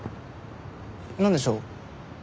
なんでしょう？